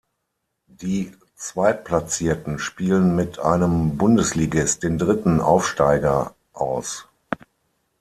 Die zweitplatzierten spielen mit einem Bundesligist den dritten Aufsteiger aus.